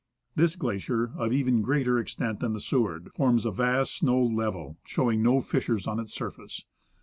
This glacier, of even greater extent than the Seward, forms a vast snow level showing no fissures on its surface.